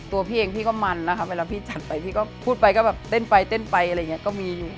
พี่เองพี่ก็มันนะคะเวลาพี่จัดไปพี่ก็พูดไปก็แบบเต้นไปเต้นไปอะไรอย่างนี้ก็มีอยู่